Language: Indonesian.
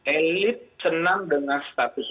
elit senang dengan status